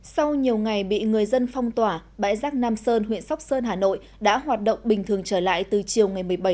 sau nhiều ngày bị người dân phong tỏa bãi rác nam sơn huyện sóc sơn hà nội đã hoạt động bình thường trở lại từ chiều ngày một mươi bảy tháng năm